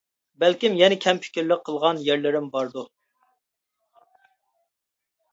بەلكىم يەنە كەم پىكىرلىك قىلغان يەرلىرىم باردۇ؟ !